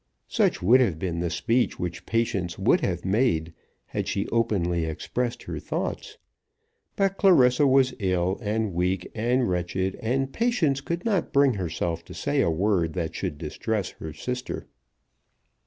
Such would have been the speech which Patience would have made, had she openly expressed her thoughts. But Clarissa was ill, and weak, and wretched; and Patience could not bring herself to say a word that should distress her sister.